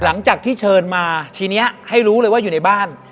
หลังจากที่เชิญมาทีนี้ให้รู้เลยว่าอยู่ในบ้าน